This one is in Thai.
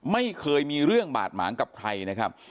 ไม่เคยมีเรื่องบาดหมางกับใครนะครับ